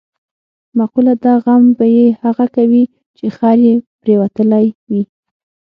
مقوله ده: غم به یې هغه کوي، چې خر یې پرېوتلی وي.